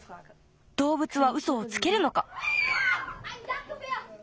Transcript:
どうぶつはウソをつけるのか？